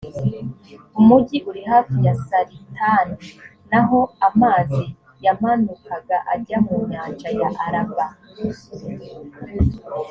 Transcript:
umugi uri hafi ya saritani, naho amazi yamanukaga ajya mu nyanja ya araba